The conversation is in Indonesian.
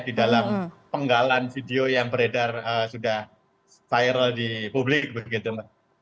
di dalam penggalan video yang beredar sudah viral di publik begitu mbak